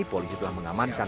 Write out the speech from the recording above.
polisi telah mengamankan